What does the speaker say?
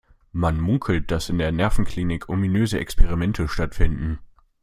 Man munkelt, dass in der Nervenklinik ominöse Experimente stattfinden.